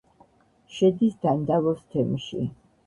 შედის დანდალოს თემში.